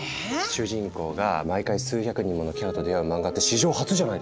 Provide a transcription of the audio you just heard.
主人公が毎回数百人ものキャラと出会う漫画って史上初じゃないですか？